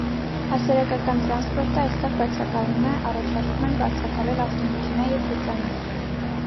Հասարակական տրանսպորտը այստեղ բացակյում է առաջարկում են վարձակալել ավտոմեքենա և հեծանիվ։